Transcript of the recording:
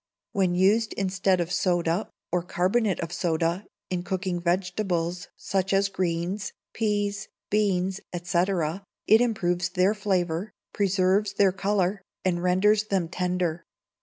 When used instead of soda, or carbonate of soda, in cooking vegetables, such as greens, peas, beans, &c., it improves their flavour, preserves their colour, and renders them tender.